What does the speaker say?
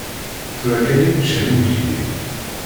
Tura kan i ččan imekli.